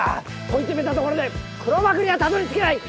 問い詰めたところで黒幕にはたどり着けない。